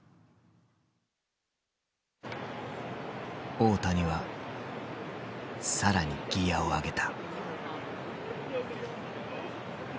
大谷は更にギアを上げた。